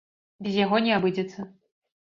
Без яго не абыдзецца.